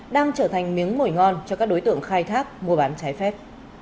đang trở thành miếng mồi ngon cho các đối tượng khai thác mua bán trái phép